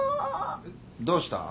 どうした？